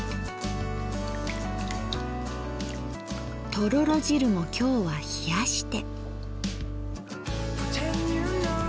とろろ汁も今日は冷やして。